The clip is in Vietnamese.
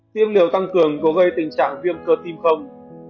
tiêm liều tăng cường có gây tình trạng viêm cơ tim không